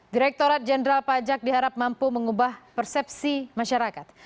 direkturat jenderal pajak diharap mampu mengubah persepsi masyarakat